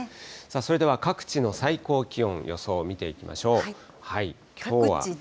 それでは各地の最高気温の予想を見ていきましょう。